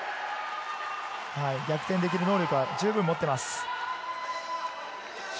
逆転できる能力を持っています。